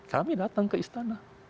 kami datang ke istana